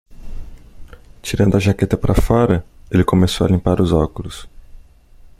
Tirando a jaqueta para fora? ele começou a limpar os óculos.